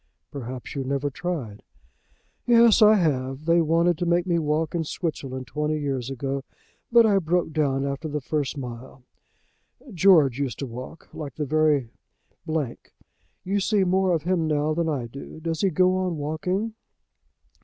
"Perhaps you never tried." "Yes, I have. They wanted to make me walk in Switzerland twenty years ago, but I broke down after the first mile. George used to walk like the very d . You see more of him now than I do. Does he go on walking?"